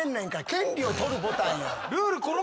権利を取るボタンやん。